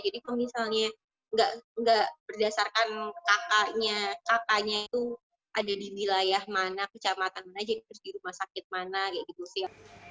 jadi kalau misalnya nggak berdasarkan kakaknya kakaknya itu ada di wilayah mana kecamatan mana jadi terus di rumah sakit mana kayak gitu sih